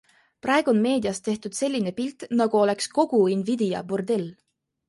Praegu on meedias tehtud selline pilt, nagu oleks kogu Invidia bordell.